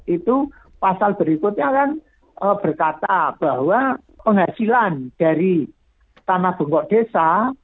itu pasal berikutnya kan berkata bahwa penghasilan dari tanah bungkok desa